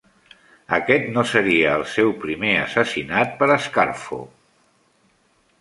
Aquest no seria el seu primer assassinat per a Scarfo.